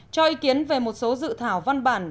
cho ý kiến về một số dự thảo văn bản